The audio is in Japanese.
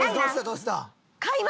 どうした？